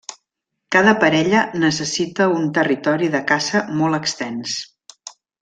Cada parella necessita un territori de caça molt extens.